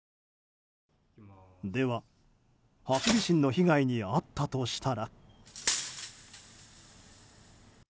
では、ハクビシンの被害に遭ったとしたら。